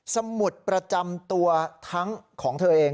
สมุดประจำตัวทั้งของเธอเอง